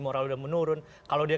moral sudah menurun kalau dia